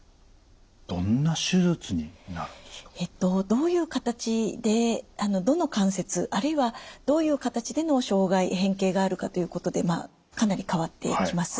どういう形でどの関節あるいはどういう形での障害変形があるかということでかなり変わってきます。